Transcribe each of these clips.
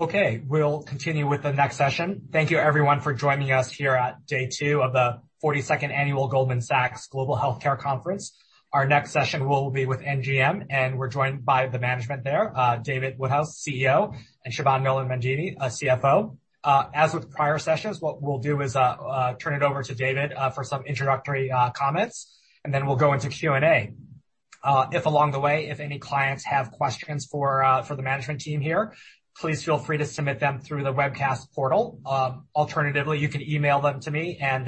Okay. We'll continue with the next session. Thank you, everyone, for joining us here at day two of the 42nd Annual Goldman Sachs Global Healthcare Conference. Our next session will be with NGM, and we're joined by the management there, David Woodhouse, CEO, and Siobhan Nolan Mangini, CFO. As with prior sessions, what we'll do is turn it over to David for some introductory comments, and then we'll go into Q&A. If along the way, if any clients have questions for the management team here, please feel free to submit them through the webcast portal. Alternatively, you can email them to me, and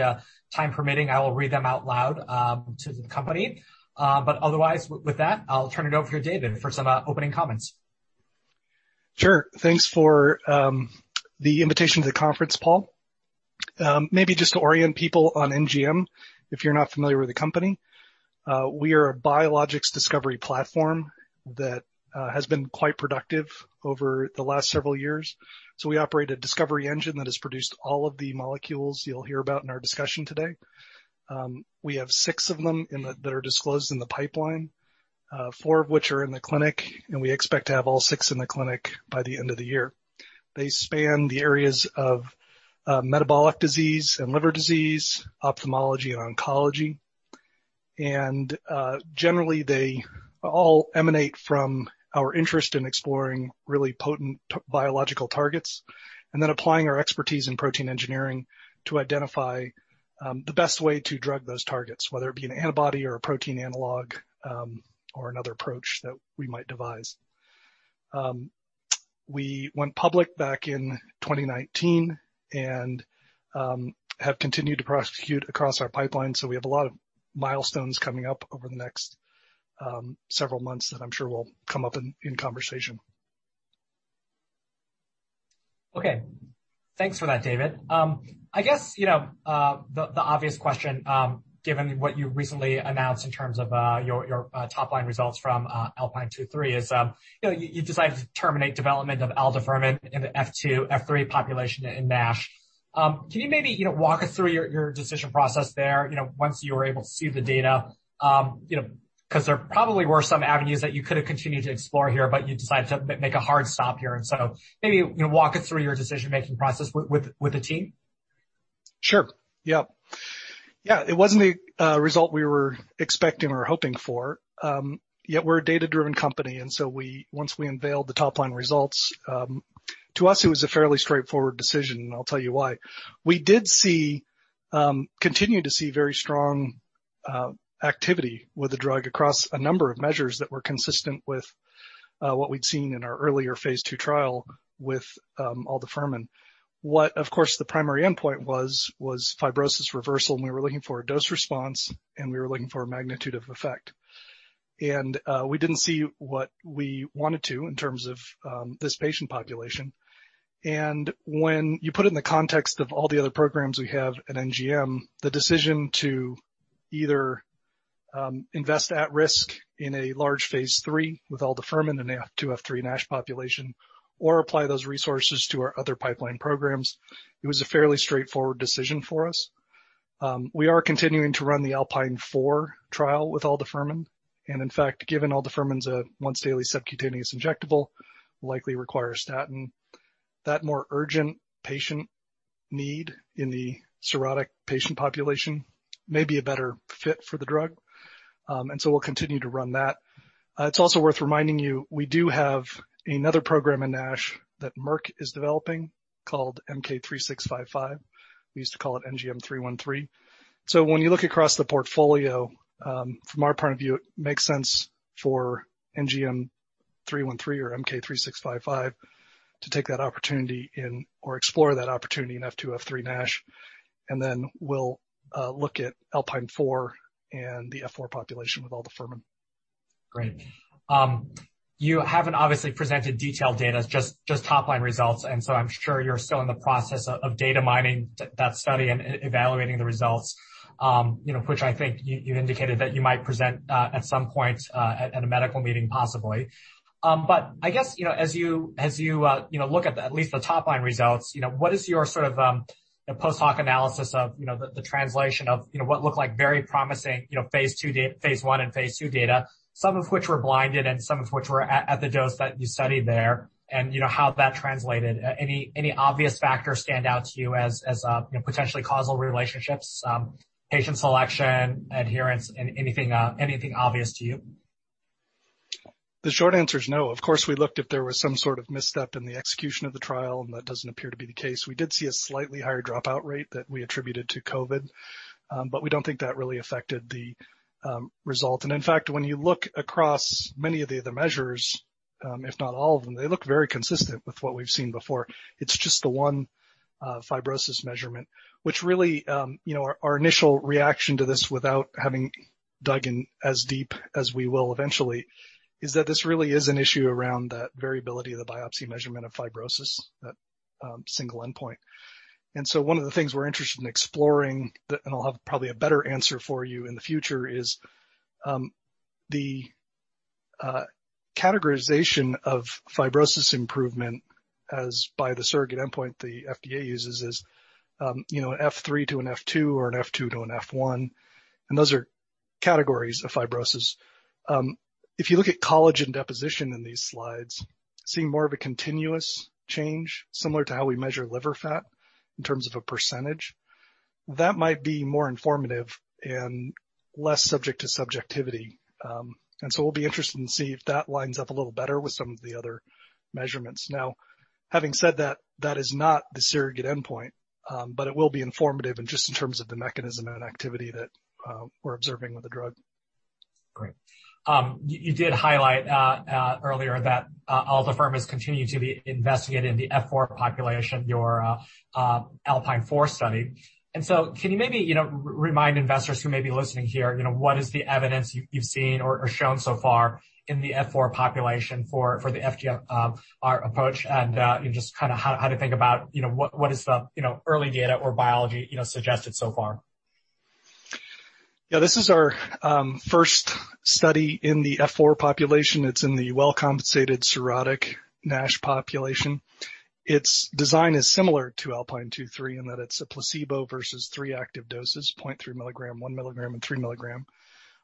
time permitting, I will read them out loud to the company. Otherwise, with that, I'll turn it over to David for some opening comments. Sure. Thanks for the invitation to the conference, Paul. Maybe just to orient people on NGM, if you're not familiar with the company. We are a biologics discovery platform that has been quite productive over the last several years. We operate a discovery engine that has produced all of the molecules you'll hear about in our discussion today. We have six of them that are disclosed in the pipeline, four of which are in the clinic, and we expect to have all six in the clinic by the end of the year. They span the areas of metabolic disease and liver disease, ophthalmology, and oncology. Generally, they all emanate from our interest in exploring really potent biological targets and then applying our expertise in protein engineering to identify the best way to drug those targets, whether it be an antibody or a protein analog or another approach that we might devise. We went public back in 2019 and have continued to prosecute across our pipeline. We have a lot of milestones coming up over the next several months that I'm sure will come up in conversation. Okay. Thanks for that, David. I guess, the obvious question given what you recently announced in terms of your top-line results from ALPINE 2/3 is, you decided to terminate development of aldafermin in the F2, F3 population in NASH. Can you maybe walk us through your decision process there, once you were able to see the data? Because there probably were some avenues that you could have continued to explore here, but you decided to make a hard stop here. Maybe you walk us through your decision-making process with the team? Sure. Yep. Yeah, it wasn't a result we were expecting or hoping for. We're a data-driven company, and so once we unveiled the top-line results, to us, it was a fairly straightforward decision, and I'll tell you why. We did continue to see very strong activity with the drug across a number of measures that were consistent with what we'd seen in our earlier phase II trial with aldafermin. What, of course, the primary endpoint was fibrosis reversal, and we were looking for a dose response, and we were looking for a magnitude of effect. We didn't see what we wanted to in terms of this patient population. When you put it in the context of all the other programs we have at NGM, the decision to either invest at risk in a large phase III with aldafermin in the F2, F3 NASH population or apply those resources to our other pipeline programs, it was a fairly straightforward decision for us. We are continuing to run the ALPINE 4 trial with aldafermin, and in fact, given aldafermin is a once-daily subcutaneous injectable, likely require a statin. That more urgent patient need in the cirrhotic patient population may be a better fit for the drug, so we'll continue to run that. It's also worth reminding you, we do have another program in NASH that Merck is developing called MK-3655. We used to call it NGM313. When you look across the portfolio, from our point of view, it makes sense for NGM313 or MK-3655 to take that opportunity in or explore that opportunity in F2, F3 NASH, and then we'll look at ALPINE 4 and the F4 population with aldafermin. Great. You haven't obviously presented detailed data, just top-line results, and so I'm sure you're still in the process of data mining that study and evaluating the results, which I think you indicated that you might present at some point at a medical meeting, possibly. But I guess, as you look at at least the top-line results, what is your sort of post-hoc analysis of the translation of what looked like very promising, phase I and phase II data, some of which were blinded and some of which were at the dose that you studied there, and how that translated. Any obvious factors stand out to you as potentially causal relationships, patient selection, adherence, anything obvious to you? The short answer is no. Of course, we looked if there was some sort of misstep in the execution of the trial, that doesn't appear to be the case. We did see a slightly higher dropout rate that we attributed to COVID, we don't think that really affected the result. In fact, when you look across many of the other measures, if not all of them, they look very consistent with what we've seen before. It's just the one fibrosis measurement. Which really, our initial reaction to this without having dug in as deep as we will eventually, is that this really is an issue around that variability of the biopsy measurement of fibrosis, that single endpoint. One of the things we're interested in exploring, and I'll have probably a better answer for you in the future, is the categorization of fibrosis improvement as by the surrogate endpoint the FDA uses is an F3 to an F2 or an F2 to an F1. Those are categories of fibrosis. If you look at collagen deposition in these slides, see more of a continuous change similar to how we measure liver fat in terms of a percentage. That might be more informative and less subject to subjectivity. We'll be interested to see if that lines up a little better with some of the other measurements. Having said that is not the surrogate endpoint, but it will be informative in just in terms of the mechanism and activity that we're observing with the drug. Great. You did highlight earlier that aldafermin continue to be investigating the F4 population, your ALPINE 4 study. Can you maybe remind investors who may be listening here, what is the evidence you've seen or shown so far in the F4 population for the FTO approach and just how to think about what is the early data or biology suggested so far? This is our first study in the F4 population. It's in the well-compensated cirrhotic NASH population. Its design is similar to ALPINE 2/3 in that it's a placebo versus three active doses, 0.3 mg, 1 mg, and 3 mg.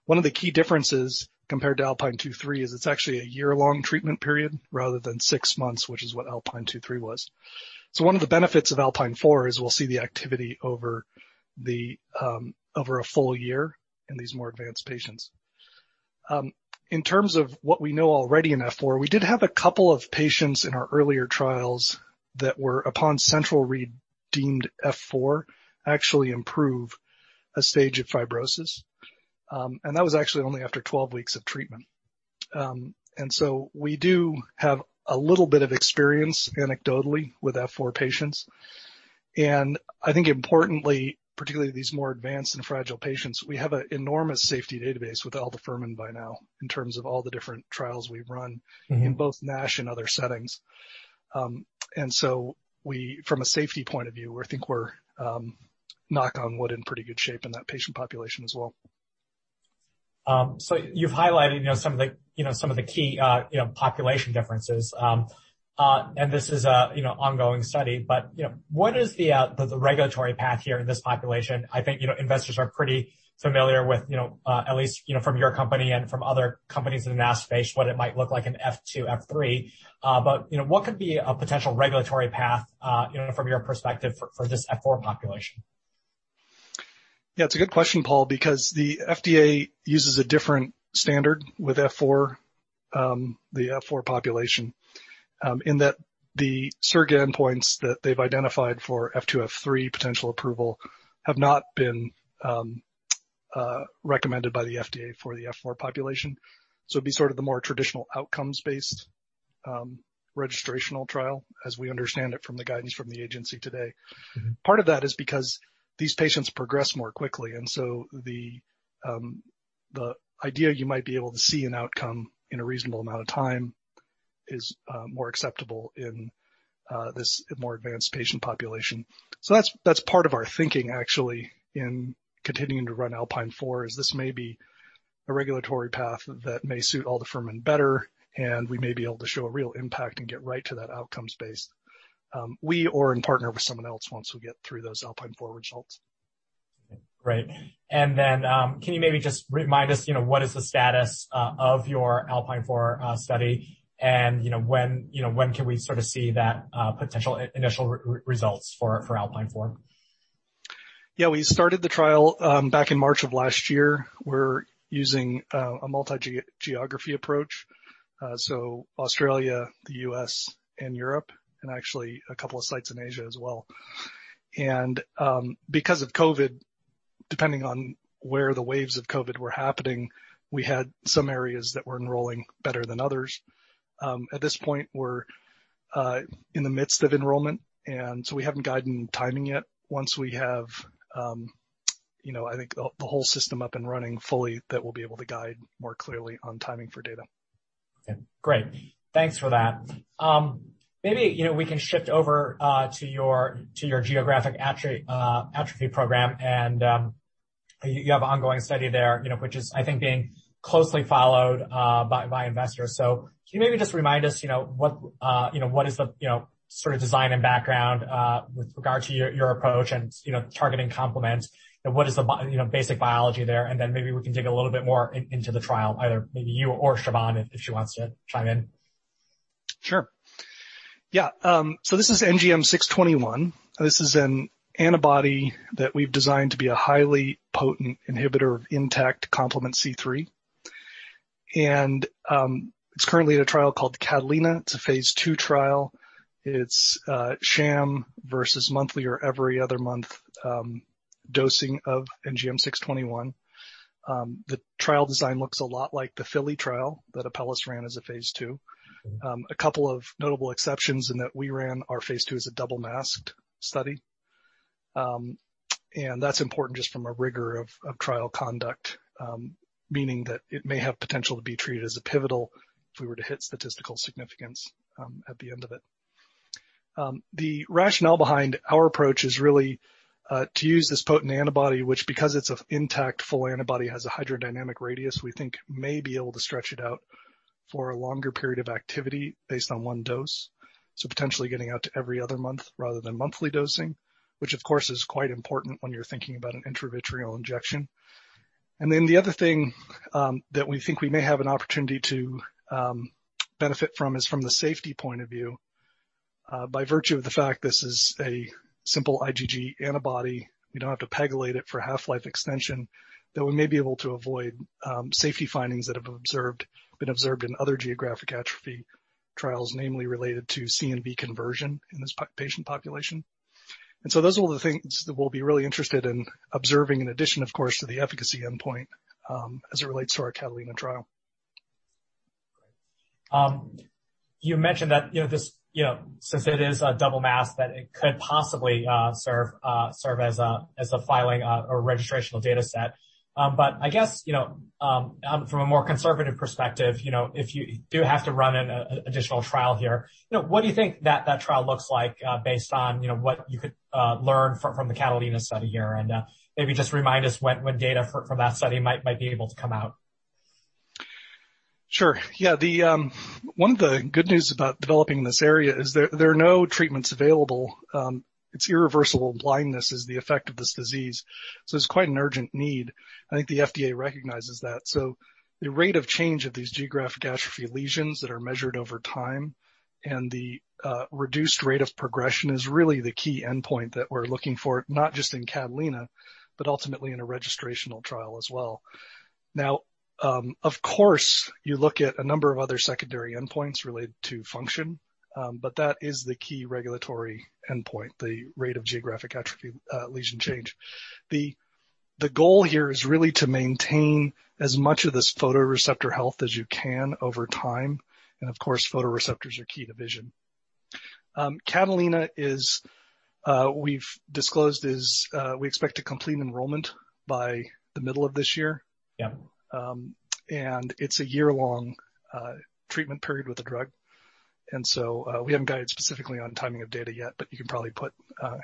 One of the key differences compared to ALPINE 2/3 is it's actually a year-long treatment period rather than six months, which is what ALPINE 2/3 was. One of the benefits of ALPINE 4 is we'll see the activity over a full year in these more advanced patients. In terms of what we know already in F4, we did have a couple of patients in our earlier trials that were upon central read deemed F4, actually improve a stage of fibrosis. That was actually only after 12 weeks of treatment. We do have a little bit of experience anecdotally with F4 patients. I think importantly, particularly these more advanced and fragile patients, we have an enormous safety database with aldafermin by now in terms of all the different trials we've run in both NASH and other settings. From a safety point of view, I think we're, knock on wood, in pretty good shape in that patient population as well. You've highlighted some of the key population differences, and this is an ongoing study. What is the regulatory path here in this population? I think investors are pretty familiar with, at least from your company and from other companies in the NASH space, what it might look like in F2, F3. What could be a potential regulatory path from your perspective for this F4 population? Yeah, it's a good question, Paul, because the FDA uses a different standard with the F4 population, in that the surrogate endpoints that they've identified for F2, F3 potential approval have not been recommended by the FDA for the F4 population. It'd be sort of the more traditional outcomes-based registrational trial as we understand it from the guidance from the agency today. Part of that is because these patients progress more quickly, and so the idea you might be able to see an outcome in a reasonable amount of time is more acceptable in this more advanced patient population. That's part of our thinking, actually, in continuing to run ALPINE 4, is this may be a regulatory path that may suit aldafermin better, and we may be able to show a real impact and get right to that outcomes base, we or in partner with someone else once we get through those ALPINE 4 results. Great. Can you maybe just remind us, what is the status of your ALPINE 4 study, and when can we sort of see that potential initial results for ALPINE 4? Yeah. We started the trial back in March of last year. We're using a multi-geography approach, so Australia, the U.S., and Europe, and actually a couple of sites in Asia as well. Because of COVID, depending on where the waves of COVID were happening, we had some areas that were enrolling better than others. At this point, we're in the midst of enrollment, and so we haven't guided any timing yet. Once we have, I think, the whole system up and running fully, then we'll be able to guide more clearly on timing for data. Great. Thanks for that. Maybe, we can shift over to your geographic atrophy program, and you have ongoing study there, which is, I think, being closely followed by investors. Can you maybe just remind us, what is the sort of design and background with regard to your approach and targeting complement and what is the basic biology there? Then maybe we can dig a little bit more into the trial, either maybe you or Siobhan, if she wants to chime in. Sure. This is NGM621. This is an antibody that we've designed to be a highly potent inhibitor of intact complement C3. It's currently in a trial called CATALINA. It's a phase II trial. It's sham versus monthly or every other month dosing of NGM621. The trial design looks a lot like the FILLY trial that Apellis ran as a phase II. A couple of notable exceptions in that we ran our phase II as a double-masked study. That's important just from a rigor of trial conduct, meaning that it may have potential to be treated as a pivotal if we were to hit statistical significance at the end of it. The rationale behind our approach is really to use this potent antibody, which because it's an intact full antibody, has a hydrodynamic radius we think may be able to stretch it out for a longer period of activity based on one dose. Potentially getting out to every other month rather than monthly dosing, which of course is quite important when you're thinking about an intravitreal injection. Then the other thing that we think we may have an opportunity to benefit from is from the safety point of view. By virtue of the fact this is a simple IgG antibody, we don't have to pegylate it for half-life extension, though we may be able to avoid safety findings that have been observed in other geographic atrophy trials, namely related to CNV conversion in this patient population. Those are the things that we'll be really interested in observing, in addition, of course, to the efficacy endpoint, as it relates to our CATALINA trial. Great. You mentioned that since it is a double mask, that it could possibly serve as a filing a registrational data set. I guess, from a more conservative perspective, if you do have to run an additional trial here, what do you think that trial looks like based on what you could learn from the CATALINA study here? Maybe just remind us when data from that study might be able to come out. Sure. One of the good news about developing this area is there are no treatments available. It's irreversible blindness is the effect of this disease, so it's quite an urgent need. I think the FDA recognizes that. The rate of change of these geographic atrophy lesions that are measured over time and the reduced rate of progression is really the key endpoint that we're looking for, not just in CATALINA, but ultimately in a registrational trial as well. Now, of course, you look at a number of other secondary endpoints related to function, but that is the key regulatory endpoint, the rate of geographic atrophy lesion change. The goal here is really to maintain as much of this photoreceptor health as you can over time, and of course, photoreceptors are key to vision. CATALINA, we've disclosed is we expect a complete enrollment by the middle of this year. Yeah. It's a year-long treatment period with the drug. We haven't guided specifically on timing of data yet, but you can probably put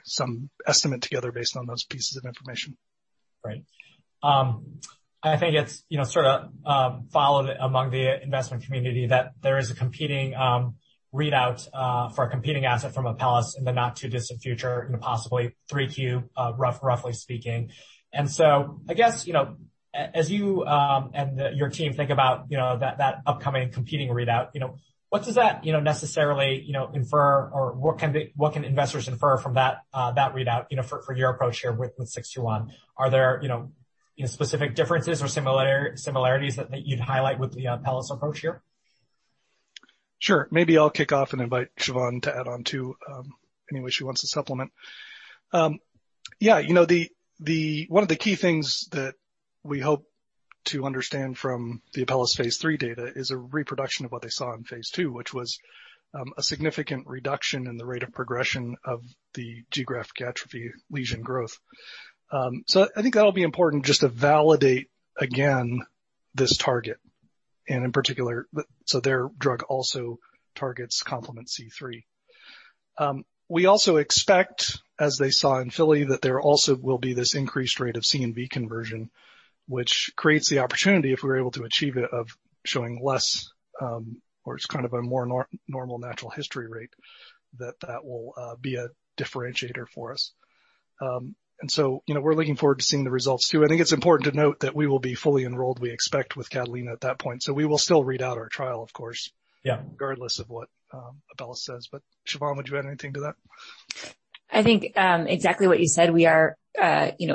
some estimate together based on those pieces of information. Right. I think it's sort of followed among the investment community that there is a competing readout for a competing asset from Apellis in the not too distant future and possibly 3Q, roughly speaking. I guess, as you and your team think about that upcoming competing readout, what does that necessarily infer or what can investors infer from that readout for your approach here with NGM621? Are there specific differences or similarities that you'd highlight with the Apellis approach here? Sure. Maybe I'll kick off and invite Siobhan to add on to any way she wants to supplement. Yeah, one of the key things that we hope to understand from the Apellis phase III data is a reproduction of what they saw in phase II, which was a significant reduction in the rate of progression of the geographic atrophy lesion growth. I think that'll be important just to validate again this target, and in particular, their drug also targets complement C3. We also expect, as they saw in FILLY, that there also will be this increased rate of CNV conversion, which creates the opportunity, if we're able to achieve it, of showing less or it's kind of a more normal natural history rate, that that will be a differentiator for us. We're looking forward to seeing the results too. I think it's important to note that we will be fully enrolled, we expect, with CATALINA at that point. We will still read out our trial, of course. Yeah. Regardless of what Apellis says. Siobhan, would you add anything to that? I think exactly what you said, we are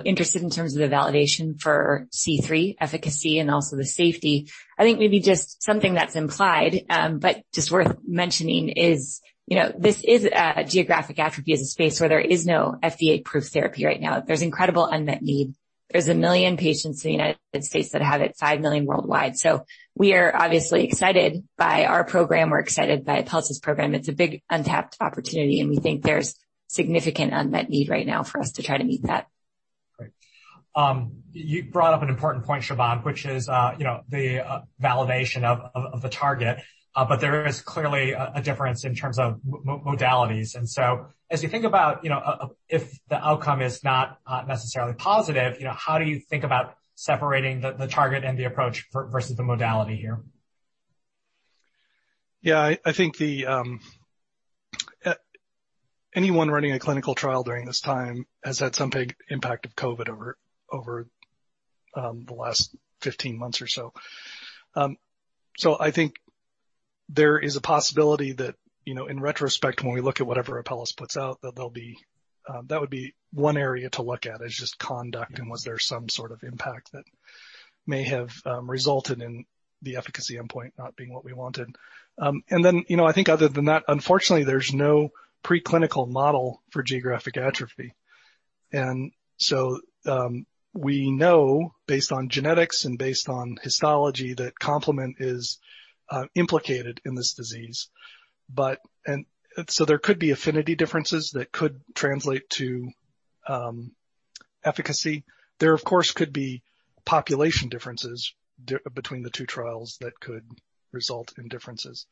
interested in terms of the validation for C3 efficacy and also the safety. I think maybe just something that's implied, but just worth mentioning is, this is a geographic atrophy space where there is no FDA-approved therapy right now. There's incredible unmet need. There's one million patients in the U.S. that have it, five million worldwide. We are obviously excited by our program. We're excited by Apellis's program. It's a big untapped opportunity, and we think there's significant unmet need right now for us to try to meet that. Great. You brought up an important point, Siobhan, which is the validation of the target. There is clearly a difference in terms of modalities. As you think about if the outcome is not necessarily positive, how do you think about separating the target and the approach versus the modality here? Yeah, I think anyone running a clinical trial during this time has had some big impact of COVID over the last 15 months or so. I think there is a possibility that, in retrospect, when we look at whatever Apellis puts out, that would be one area to look at is just conduct and was there some sort of impact that may have resulted in the efficacy endpoint not being what we wanted. I think other than that, unfortunately, there's no preclinical model for geographic atrophy. We know based on genetics and based on histology, that complement is implicated in this disease. There could be affinity differences that could translate to efficacy. There, of course, could be population differences between the two trials that could result in differences.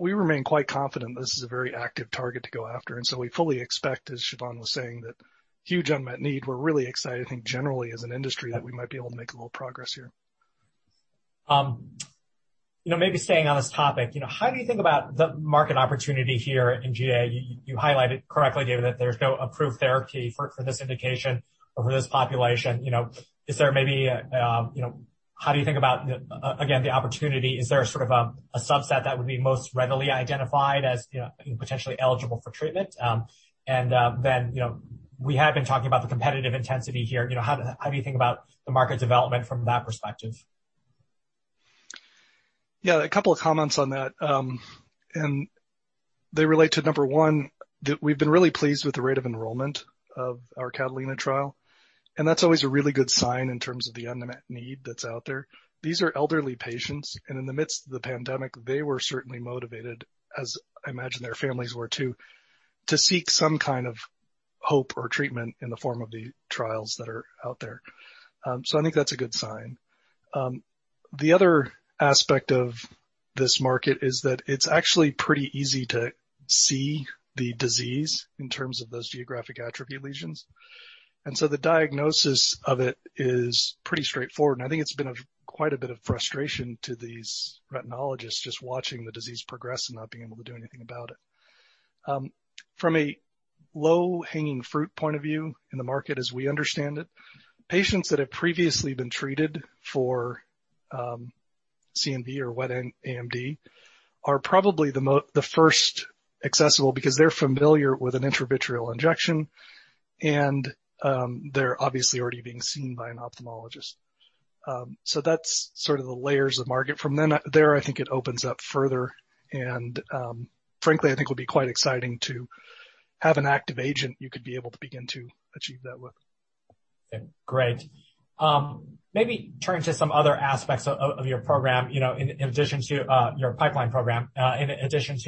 We remain quite confident this is a very active target to go after, and so we fully expect, as Siobhan was saying, that huge unmet need. We're really excited, I think, generally as an industry, that we might be able to make a little progress here. Maybe staying on this topic, how do you think about the market opportunity here in GA? You highlighted correctly that there's no approved therapy for this indication or for this population. How do you think about, again, the opportunity? Is there a subset that would be most readily identified as potentially eligible for treatment? We have been talking about the competitive intensity here. How do you think about the market development from that perspective? Yeah. A couple of comments on that. They relate to, number one, we've been really pleased with the rate of enrollment of our CATALINA trial, and that's always a really good sign in terms of the unmet need that's out there. These are elderly patients, and in the midst of the pandemic, they were certainly motivated, as I imagine their families were, too, to seek some kind of hope or treatment in the form of the trials that are out there. I think that's a good sign. The other aspect of this market is that it's actually pretty easy to see the disease in terms of those geographic atrophy lesions, the diagnosis of it is pretty straightforward. I think it's been quite a bit of frustration to these retinologists just watching the disease progress and not being able to do anything about it. From a low-hanging fruit point of view in the market as we understand it, patients that have previously been treated for CNV or wet AMD are probably the first accessible because they're familiar with an intravitreal injection, and they're obviously already being seen by an ophthalmologist. That's sort of the layers of market. From there, I think it opens up further, and frankly, I think it will be quite exciting to have an active agent you could be able to begin to achieve that with. Great. Maybe turning to some other aspects of your pipeline program. In addition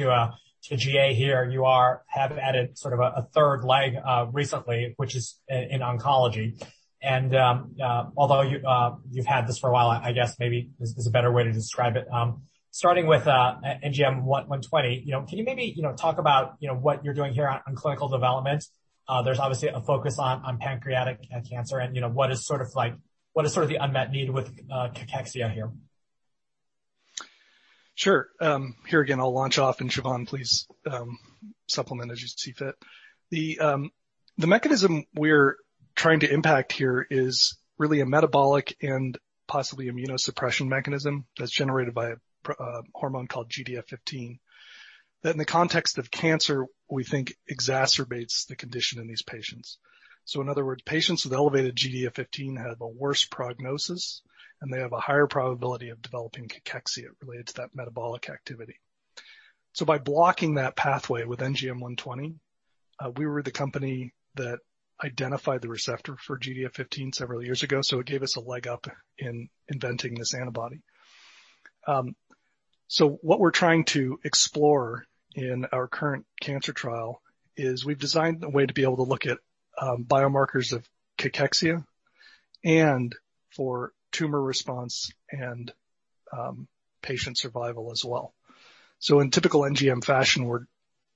to GA here, you have added a third leg recently, which is in oncology. Although you've had this for a while, I guess maybe this is a better way to describe it. Starting with NGM NGM120, can you maybe talk about what you're doing here on clinical development? There's obviously a focus on pancreatic cancer and what is the unmet need with cachexia here. Sure. Here again, I'll launch off, and Siobhan, please supplement as you see fit. The mechanism we're trying to impact here is really a metabolic and possibly immunosuppression mechanism that's generated by a hormone called GDF15, that in the context of cancer, we think exacerbates the condition in these patients. In other words, patients with elevated GDF15 have a worse prognosis, and they have a higher probability of developing cachexia related to that metabolic activity. By blocking that pathway with NGM120, we were the company that identified the receptor for GDF15 several years ago, so it gave us a leg up in inventing this antibody. What we're trying to explore in our current cancer trial is we've designed a way to be able to look at biomarkers of cachexia and for tumor response and patient survival as well. In typical NGM, we're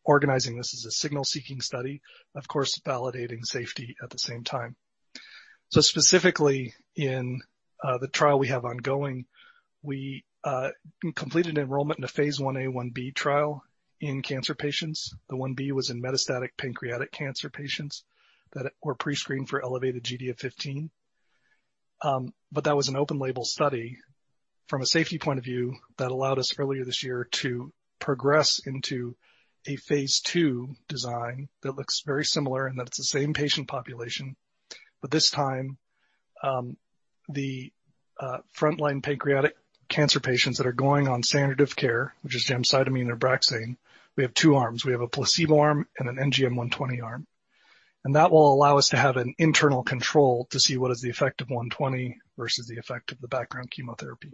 organizing this as a signal-seeking study, of course, validating safety at the same time. Specifically in the trial we have ongoing, we completed enrollment in a phase I-A/I-B trial in cancer patients. The I-B was in metastatic pancreatic cancer patients that were pre-screened for elevated GDF15. That was an open-label study from a safety point of view that allowed us earlier this year to progress into a phase II design that looks very similar and that's the same patient population. This time, the frontline pancreatic cancer patients that are going on standard of care, which is gemcitabine or nab-paclitaxel, we have two arms. We have a placebo arm and an NGM120 arm, and that will allow us to have an internal control to see what is the effect of NGM120 versus the effect of the background chemotherapy.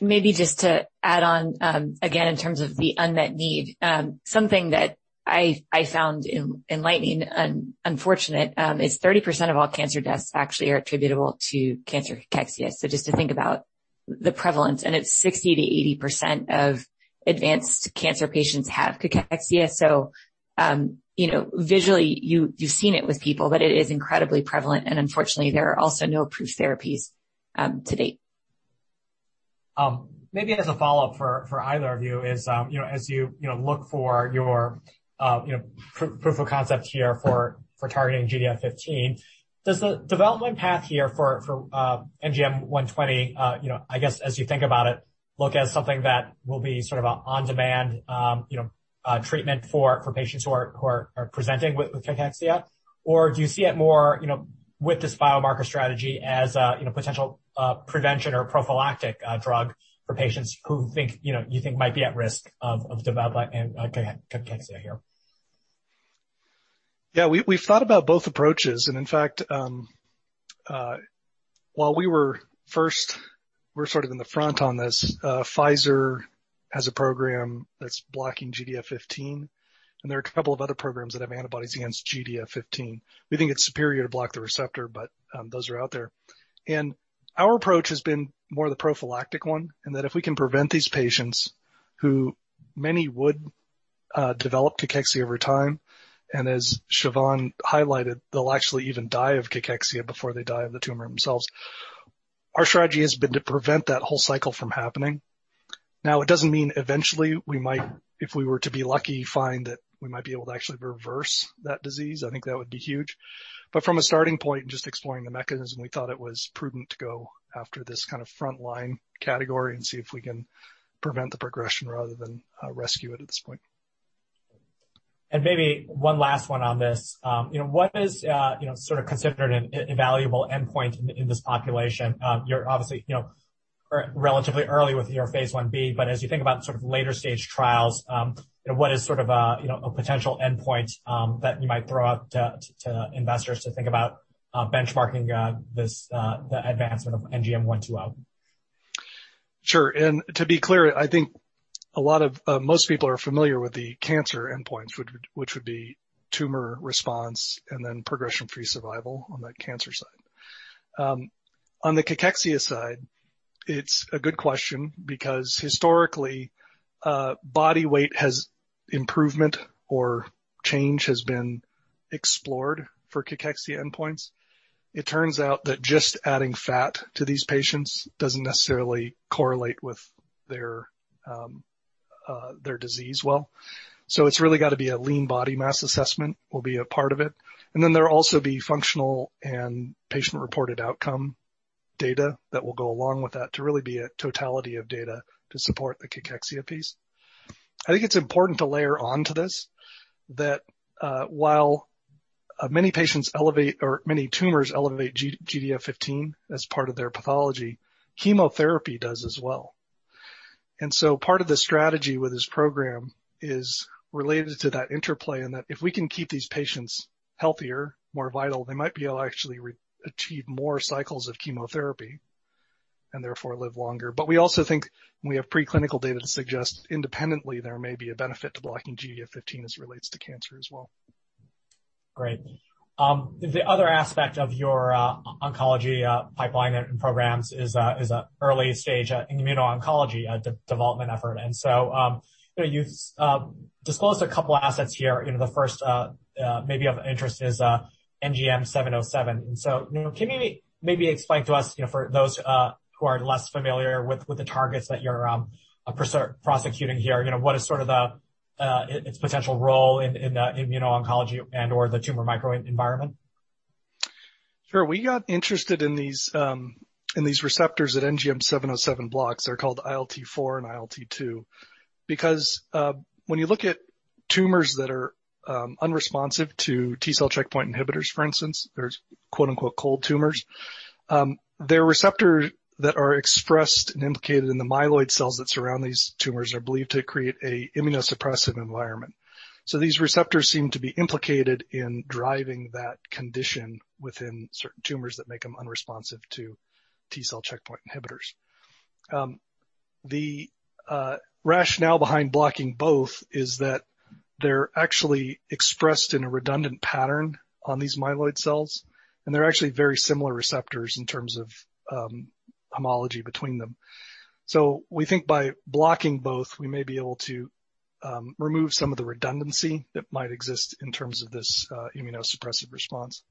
Maybe just to add on, again, in terms of the unmet need. Something that I found enlightening and unfortunate is 30% of all cancer deaths actually are attributable to cancer cachexia. Just to think about the prevalence, it is 60%-80% of advanced cancer patients have cachexia. Visually, you've seen it with people, it is incredibly prevalent, unfortunately, there are also no approved therapies to date. Maybe as a follow-up for either of you is, as you look for your proof of concept here for targeting GDF15, does the development path here for NGM120, I guess, as you think about it, look at something that will be sort of an on-demand treatment for patients who are presenting with cachexia? Do you see it more with this biomarker strategy as a potential prevention or prophylactic drug for patients who you think might be at risk of developing cachexia here? Yeah. We've thought about both approaches. In fact, while we were first, we're sort of in the front on this. Pfizer has a program that's blocking GDF15. There are a couple of other programs that have antibodies against GDF15. We think it's superior to block the receptor. Those are out there. Our approach has been more the prophylactic one, that if we can prevent these patients who many would develop cachexia over time. As Siobhan highlighted, they'll actually even die of cachexia before they die of the tumor themselves. Our strategy has been to prevent that whole cycle from happening. It doesn't mean eventually we might, if we were to be lucky, find that we might be able to actually reverse that disease. I think that would be huge. From a starting point and just exploring the mechanism, we thought it was prudent to go after this kind of frontline category and see if we can prevent the progression rather than rescue it at this point. Maybe one last one on this. What is considered a valuable endpoint in this population? You're obviously relatively early with your phase I-B, but as you think about sort of later-stage trials, what is sort of a potential endpoint that you might throw out to investors to think about benchmarking the advancement of NGM120? Sure. To be clear, I think most people are familiar with the cancer endpoints, which would be tumor response and then progression-free survival on that cancer side. On the cachexia side, it's a good question because historically, body weight has improvement or change has been explored for cachexia endpoints. It turns out that just adding fat to these patients doesn't necessarily correlate with their disease well. It's really got to be a lean body mass assessment will be a part of it. Then there will also be functional and patient-reported outcome data that will go along with that to really be a totality of data to support the cachexia piece. I think it's important to layer onto this, that while many tumors elevate GDF15 as part of their pathology, chemotherapy does as well. Part of the strategy with this program is related to that interplay and that if we can keep these patients healthier, more vital, they might be able to actually achieve more cycles of chemotherapy and therefore live longer. We also think we have preclinical data to suggest independently there may be a benefit to blocking GDF15 as it relates to cancer as well. Great. The other aspect of your oncology pipeline and programs is the early stage immuno-oncology development effort. You've disclosed a couple assets here. The first maybe of interest is NGM707. Can you maybe explain to us, for those who are less familiar with the targets that you're prosecuting here, what is sort of its potential role in the immuno-oncology and or the tumor microenvironment? Sure. We got interested in these receptors that NGM707 blocks, they're called ILT4 and ILT2. When you look at tumors that are unresponsive to T-cell checkpoint inhibitors, for instance, there's "cold tumors," their receptors that are expressed and indicated in the myeloid cells that surround these tumors are believed to create a immunosuppressive environment. These receptors seem to be implicated in driving that condition within certain tumors that make them unresponsive to T-cell checkpoint inhibitors. The rationale behind blocking both is that they're actually expressed in a redundant pattern on these myeloid cells, and they're actually very similar receptors in terms of homology between them. We think by blocking both, we may be able to remove some of the redundancy that might exist in terms of this immunosuppressive response.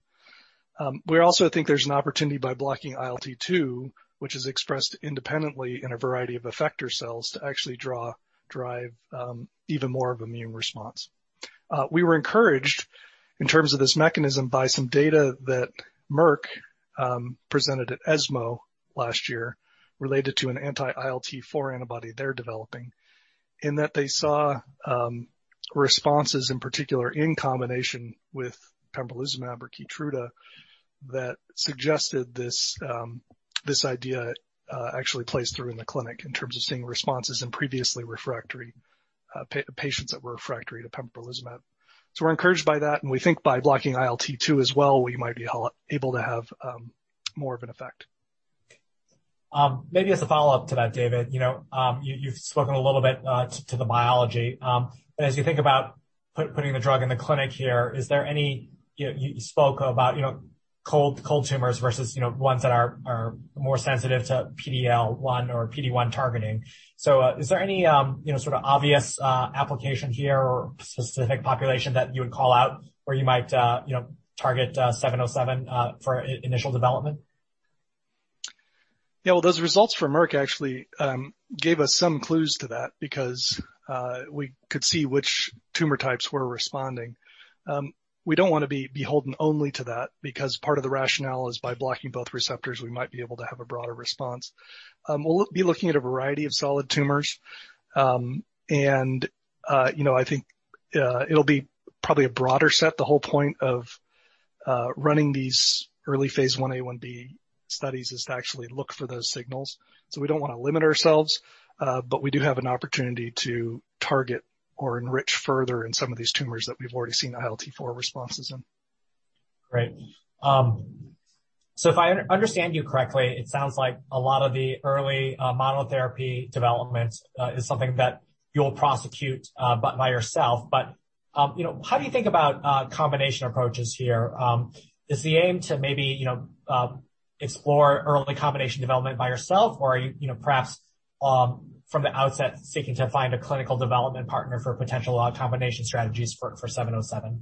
We also think there's an opportunity by blocking ILT2, which is expressed independently in a variety of effector cells to actually drive even more of an immune response. We were encouraged in terms of this mechanism by some data that Merck presented at ESMO last year related to an anti-ILT4 antibody they're developing, in that they saw responses in particular in combination with pembrolizumab or KEYTRUDA that suggested this idea actually plays through in the clinic in terms of seeing responses in previously refractory patients that were refractory to pembrolizumab. We're encouraged by that, and we think by blocking ILT2 as well, we might be able to have more of an effect. Maybe as a follow-up to that, David, you've spoken a little bit to the biology. As you think about putting a drug in the clinic here, you spoke about cold tumors versus ones that are more sensitive to PD-L1 or PD-1 targeting. Is there any sort of obvious application here or specific population that you would call out where you might target 707 for initial development? Those results from Merck actually gave us some clues to that because we could see which tumor types were responding. We don't want to be beholden only to that because part of the rationale is by blocking both receptors, we might be able to have a broader response. We'll be looking at a variety of solid tumors. I think it'll be probably a broader set. The whole point of running these early phase I-A, I-B studies is to actually look for those signals. We don't want to limit ourselves. We do have an opportunity to target or enrich further in some of these tumors that we've already seen ILT4 responses in. Great. If I understand you correctly, it sounds like a lot of the early monotherapy development is something that you'll prosecute by yourself. How do you think about combination approaches here? Is the aim to maybe explore early combination development by yourself, or perhaps from the outset, seeking to find a clinical development partner for potential combination strategies for NGM707?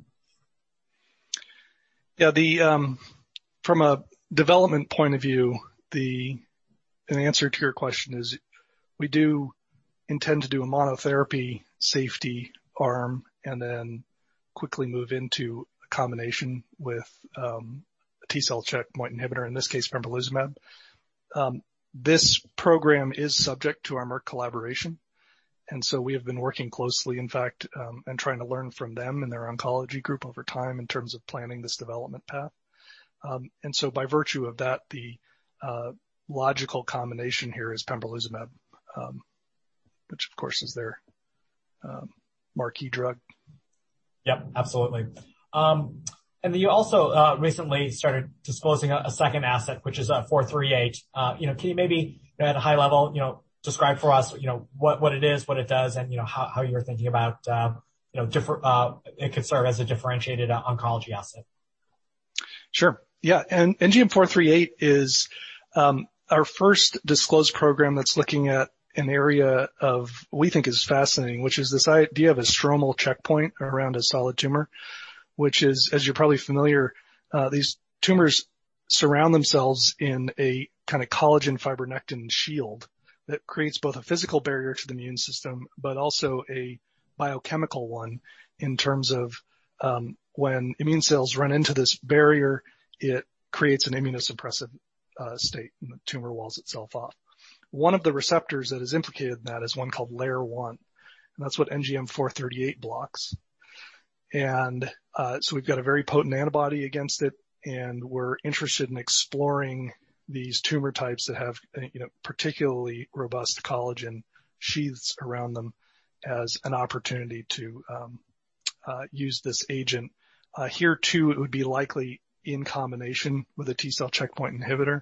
Yeah, from a development point of view, the answer to your question is we do intend to do a monotherapy safety arm and then quickly move into a combination with a T-cell checkpoint inhibitor, in this case, pembrolizumab. This program is subject to our Merck collaboration. We have been working closely, in fact, and trying to learn from them and their oncology group over time in terms of planning this development path. By virtue of that, the logical combination here is pembrolizumab, which, of course, is their marquee drug. Yeah, absolutely. You also recently started disclosing a second asset, which is NGM438. Can you maybe at a high level, describe for us what it is, what it does, and how you're thinking about it can serve as a differentiated oncology asset? Sure. Yeah. NGM438 is our first disclosed program that's looking at an area of, we think is fascinating, which is this idea of a stromal checkpoint around a solid tumor, which is, as you're probably familiar, these tumors surround themselves in a kind of collagen fibronectin shield that creates both a physical barrier to the immune system, but also a biochemical one in terms of when immune cells run into this barrier, it creates an immunosuppressive state, and the tumor walls itself off. One of the receptors that is implicated in that is one called LAIR1, and that's what NGM438 blocks. We've got a very potent antibody against it, and we're interested in exploring these tumor types that have particularly robust collagen sheaths around them as an opportunity to use this agent. Here, too, it would be likely in combination with a T-cell checkpoint inhibitor,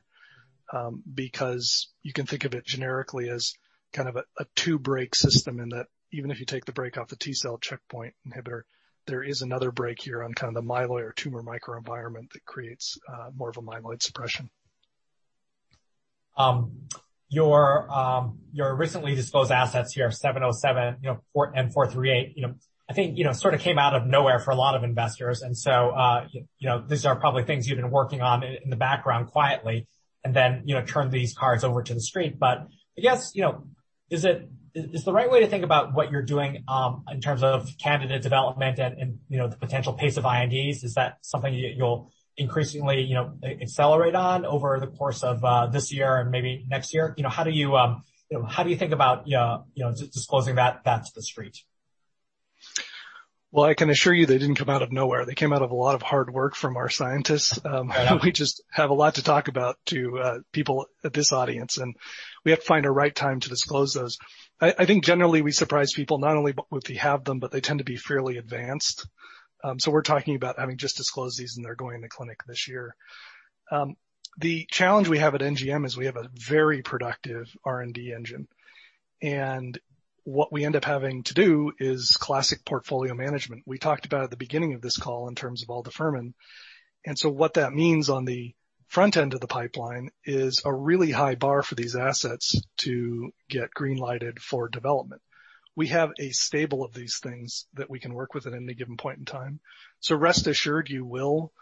because you can think of it generically as kind of a two-brake system in that even if you take the brake off the T-cell checkpoint inhibitor, there is another brake here on the myeloid tumor microenvironment that creates more of a myeloid suppression. Your recently disclosed assets here, NGM707 and NGM438, I think, sort of came out of nowhere for a lot of investors. These are probably things you've been working on in the background quietly and then turned these cards over to the street. I guess, is the right way to think about what you're doing in terms of candidate development and the potential pace of INDs? Is that something that you'll increasingly accelerate on over the course of this year and maybe next year? How do you think about disclosing that to the street? I can assure you they didn't come out of nowhere. They came out of a lot of hard work from our scientists. We just have a lot to talk about to people at this audience, and we have to find the right time to disclose those. I think generally we surprise people not only with we have them, but they tend to be fairly advanced. We're talking about having just disclosed these, and they're going to clinic this year. The challenge we have at NGM is we have a very productive R&D engine, and what we end up having to do is classic portfolio management. We talked about at the beginning of this call in terms of aldafermin. What that means on the front end of the pipeline is a really high bar for these assets to get green-lighted for development. We have a stable of these things that we can work with at any given point in time. Rest assured, you will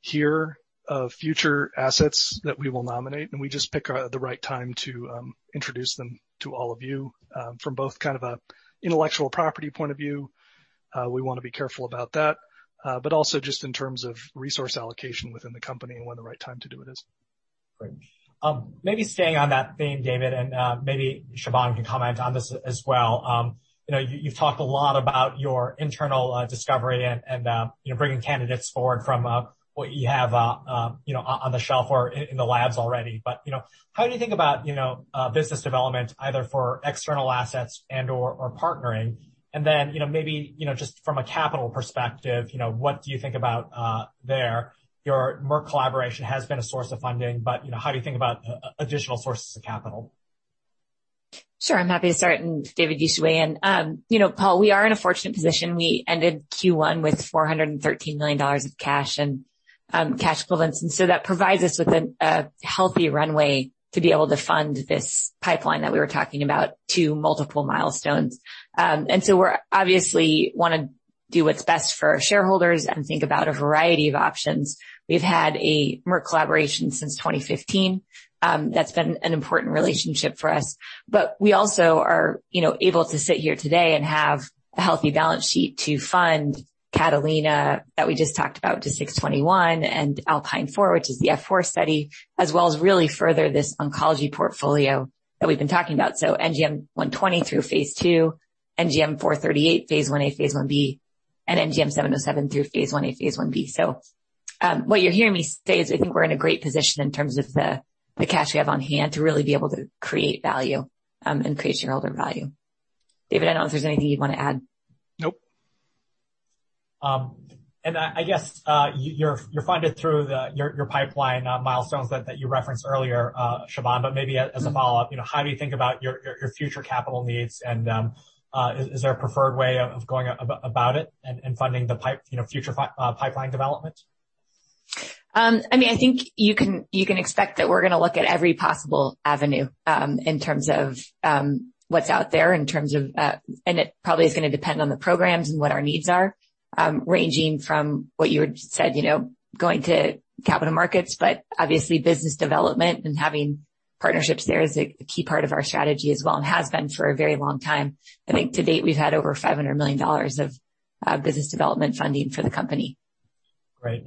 hear of future assets that we will nominate, and we just pick the right time to introduce them to all of you from both kind of an intellectual property point of view, we want to be careful about that, but also just in terms of resource allocation within the company and when the right time to do it is. Great. Maybe staying on that theme, David, and maybe Siobhan can comment on this as well. You talk a lot about your internal discovery and bringing candidates forward from what you have on the shelf or in the labs already. How do you think about business development, either for external assets and/or partnering? Maybe just from a capital perspective, what do you think about there? Your Merck collaboration has been a source of funding, how do you think about additional sources of capital? Sure. I'm happy to start. David, you sway in. Paul, we are in a fortunate position. We ended Q1 with $413 million of cash and cash equivalents. That provides us with a healthy runway to be able to fund this pipeline that we were talking about to multiple milestones. We obviously want to do what's best for our shareholders and think about a variety of options. We've had a Merck collaboration since 2015. That's been an important relationship for us. We also are able to sit here today and have a healthy balance sheet to fund CATALINA that we just talked about, the NGM621, and ALPINE 4, which is the F4 study, as well as really further this oncology portfolio that we've been talking about. NGM120 through phase II, NGM438 phase I-A, phase I-B, NGM707 through phase I-A, phase I-B. What you're hearing me say is I think we're in a great position in terms of the cash we have on hand to really be able to create value and create shareholder value. David, I don't know if there's anything you want to add. Nope. I guess, you're funded through your pipeline milestones that you referenced earlier, Siobhan. Maybe as a follow-up, how do you think about your future capital needs and is there a preferred way of going about it and funding the future pipeline development? I think you can expect that we're going to look at every possible avenue in terms of what's out there. It probably is going to depend on the programs and what our needs are, ranging from what you had said, going to capital markets, but obviously business development and having partnerships there is a key part of our strategy as well, and has been for a very long time. I think to date, we've had over $500 million of business development funding for the company. Great.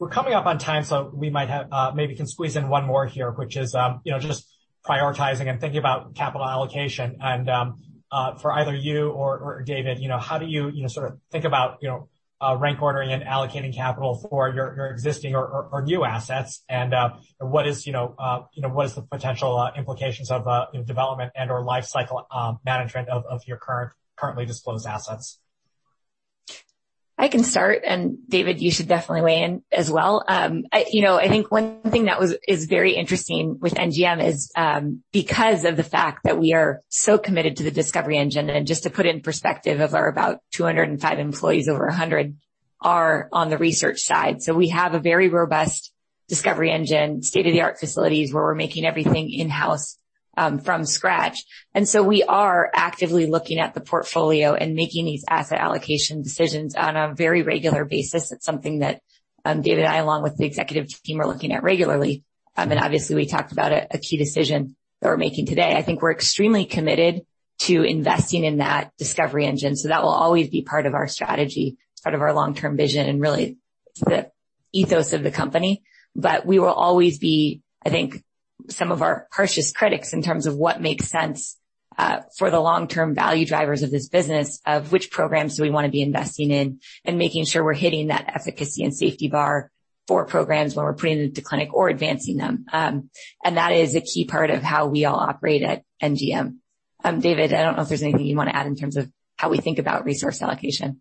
We're coming up on time, so we maybe can squeeze in one more here, which is, just prioritizing and thinking about capital allocation and, for either you or David, how do you think about rank ordering and allocating capital for your existing or new assets and what is the potential implications of development and/or lifecycle management of your currently disclosed assets? I can start, and David, you should definitely weigh in as well. I think one thing that is very interesting with NGM is because of the fact that we are so committed to the discovery engine and just to put in perspective of our about 205 employees, over 100 are on the research side. We have a very robust discovery engine, state-of-the-art facilities where we're making everything in-house from scratch. We are actively looking at the portfolio and making these asset allocation decisions on a very regular basis. It's something that David and I, along with the executive team, are looking at regularly. Obviously we talked about a key decision that we're making today. I think we're extremely committed to investing in that discovery engine. That will always be part of our strategy, part of our long-term vision, and really the ethos of the company. We will always be, I think, some of our harshest critics in terms of what makes sense for the long-term value drivers of this business, of which programs do we want to be investing in, and making sure we're hitting that efficacy and safety bar for programs when we're bringing them to clinic or advancing them. That is a key part of how we all operate at NGM. David, I don't know if there's anything you want to add in terms of how we think about resource allocation.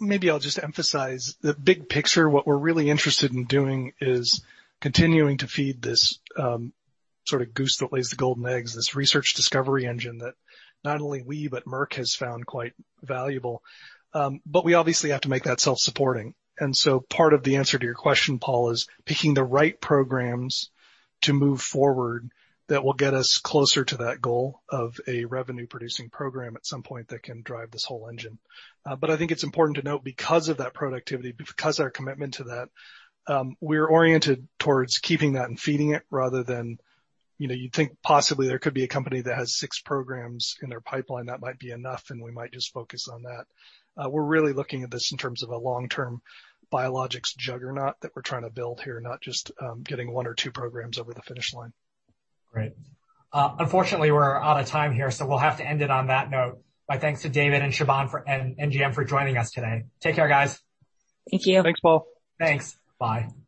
Maybe I'll just emphasize the big picture. What we're really interested in doing is continuing to feed this sort of goose that lays the golden eggs, this research discovery engine that not only we, but Merck has found quite valuable. We obviously have to make that self-supporting. Part of the answer to your question, Paul, is picking the right programs to move forward that will get us closer to that goal of a revenue-producing program at some point that can drive this whole engine. I think it's important to note because of that productivity, because our commitment to that, we're oriented towards keeping that and feeding it rather than, you'd think possibly there could be a company that has six programs in their pipeline. That might be enough, and we might just focus on that. We're really looking at this in terms of a long-term biologics juggernaut that we're trying to build here, not just getting one or two programs over the finish line. Great. Unfortunately, we're out of time here, so we'll have to end it on that note. My thanks to David and Siobhan and NGM for joining us today. Take care, guys. Thank you. Thanks, Paul. Thanks. Bye.